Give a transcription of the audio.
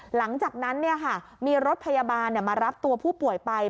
หลังจากนั้นมีรถพยาบาลมารับตัวผู้ป่วยไป